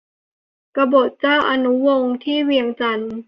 กบฏเจ้าอนุวงศ์ ที่เวียงจันทน์